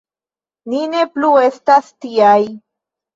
Ni ne plu estas tiaj!